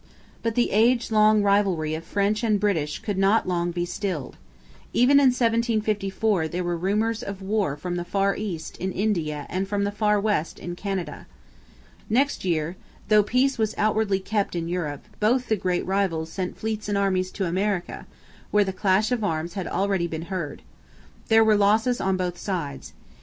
But the age long rivalry of French and British could not long be stilled. Even in 1754 there were rumours of war from the Far East in India and from the Far West in Canada. Next year, though peace was outwardly kept in Europe, both the great rivals sent fleets and armies to America, where the clash of arms had already been heard. There were losses on both sides.